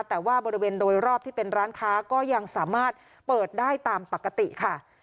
แต่ว่าบริเวณโดยรอบที่เป็นร้านค้าก็ยังสามารถเปิดได้ตามปกติค่ะ